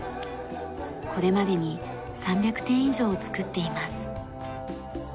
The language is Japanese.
これまでに３００点以上を作っています。